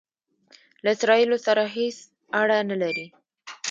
له اسراییلو سره هیڅ اړه نه لري.